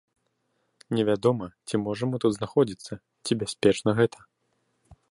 Невядома, ці можам мы тут знаходзіцца, ці бяспечна гэта.